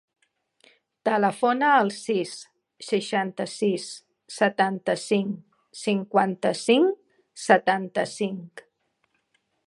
Telefona al sis, seixanta-sis, setanta-cinc, cinquanta-cinc, setanta-cinc.